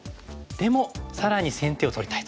でも更に先手を取りたいと。